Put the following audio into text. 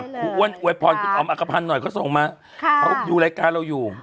คุณโวยพรคุณอ๋อมอักภัณฑ์หน่อยก็ส่งมาอยู่รายการเราอยู่